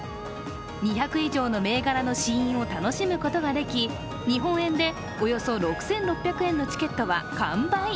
２００以上の銘柄の試飲を楽しむことができ日本円でおよそ６６００円のチケットは完売。